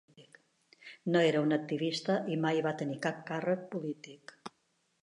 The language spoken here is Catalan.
No era un activista i mai va tenir cap càrrec polític.